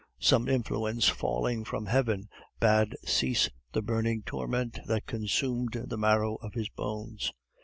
Some influence falling from heaven bade cease the burning torment that consumed the marrow of his bones.